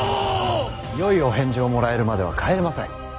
よいお返事をもらえるまでは帰れません。